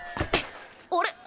あれ？